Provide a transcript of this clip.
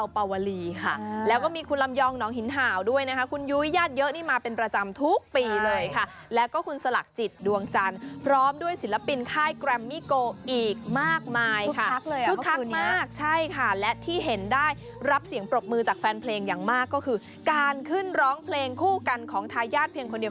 ปวลีค่ะแล้วก็มีคุณลำยองน้องหินห่าวด้วยนะคะคุณยุยยาดเยอะนี่มาเป็นประจำทุกปีเลยค่ะแล้วก็คุณสลักจิตดวงจันทร์พร้อมด้วยศิลปินค่ายแกรมมี่โกอีกมากมายค่ะคุกคักเลยหรอคุกคักมากใช่ค่ะและที่เห็นได้รับเสียงปรบมือจากแฟนเพลงอย่างมากก็คือการขึ้นร้องเพลงคู่กันของทายาทเพียงคนเดีย